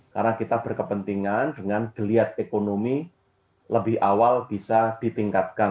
karena kita berkepentingan dengan geliat ekonomi lebih awal bisa ditingkatkan